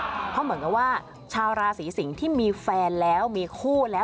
เพราะเหมือนกับว่าชาวราศีสิงศ์ที่มีแฟนแล้วมีคู่แล้ว